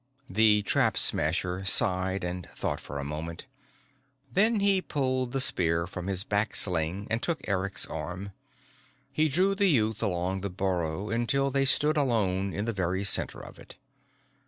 The Trap Smasher sighed and thought for a moment. Then he pulled the spear from his back sling and took Eric's arm. He drew the youth along the burrow until they stood alone in the very center of it.